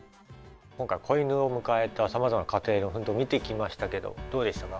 今回子犬を迎えたさまざまな家庭の奮闘見てきましたけどどうでしたか？